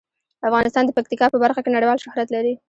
افغانستان د پکتیکا په برخه کې نړیوال شهرت لري.